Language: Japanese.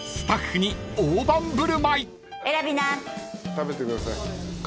食べてください。